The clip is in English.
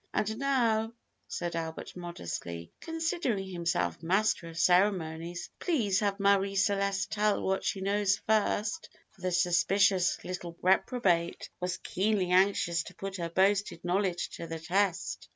"And now," said Albert modestly, considering himself master of ceremonies, "please have Marie Celeste tell what she knows first," for the suspicious little reprobate was keenly anxious to put her boasted knowledge to the test.